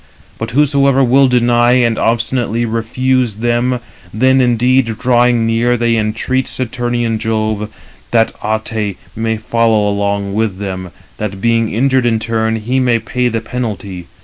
But whosoever will deny and obstinately refuse them, then indeed, drawing near, they entreat Saturnian Jove, that Ate may follow along with him, that being injured [in turn], he may pay the penalty.